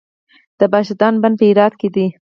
د پاشدان بند په هرات کې دی